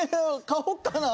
買おっかな。